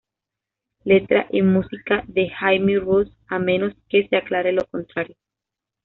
Letra y música de Jaime Roos, a menos que se aclare lo contrario.